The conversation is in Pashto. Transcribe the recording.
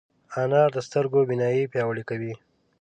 انار د سترګو بینايي پیاوړې کوي.